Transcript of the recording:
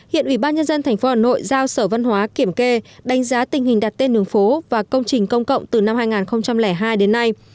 hiện ủy ban nhân dân tp hà nội giao sở văn hóa kiểm kê đánh giá tình hình đặt tên đường phố và công trình công cộng từ năm hai nghìn hai đến nay